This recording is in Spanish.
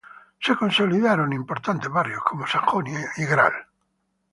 Se consolidaron importantes barrios como Sajonia, Gral.